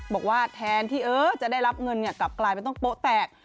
บวกว่าแทนที่จะได้รับเงินเกลาไปต้องโปะแตก